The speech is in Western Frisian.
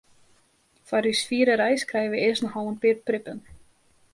Foar ús fiere reis krije wy earst noch al in pear prippen.